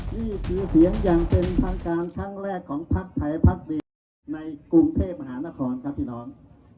นี่คือเสียงอย่างเป็นทางการครั้งแรกของพักไทยพักดีในกรุงเทพมหานครครับพี่น้อง